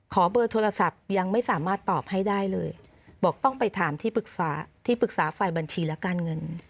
เบอร์โทรศัพท์ยังไม่สามารถตอบให้ได้เลยบอกต้องไปถามที่ปรึกษาที่ปรึกษาฝ่ายบัญชีและการเงิน